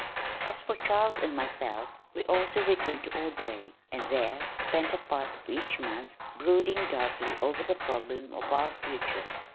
As for Charles and myself, we also returned to Ordway and there spent a part of each month, brooding darkly over the problem of our future.